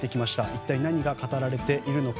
一体何が語られているのか。